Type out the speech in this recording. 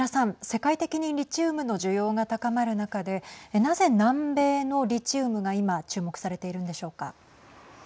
世界的にリチウムの需要が高まる中でなぜ、南米のリチウムが今注目されているんでしょうか。